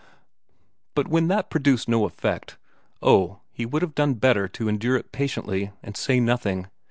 But when that produced no effect oh, he would have done better to endure it patiently, and say nothing.